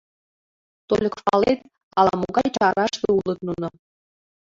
Тольык палет, ала-могай чараште улыт нуно.